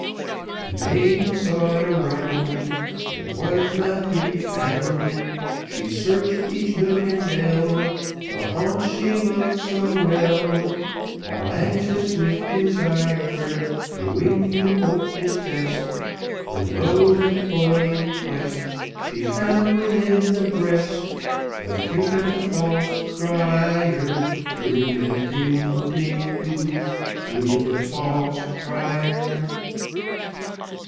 The maiden sought around, It was not to be found, She searched each nook and dell, The haunts she loved so well, All anxious with desire; The wind blew ope his vest, When, lo! the toy in quest, She found within the breast Of Cupid, the false crier, Ring a ding, a ding a ding, Cupid the false crier.